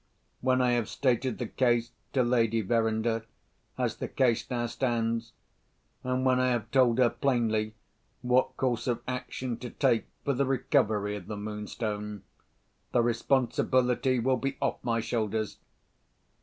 When I have stated the case to Lady Verinder as the case now stands, and when I have told her plainly what course of action to take for the recovery of the Moonstone, the responsibility will be off my shoulders.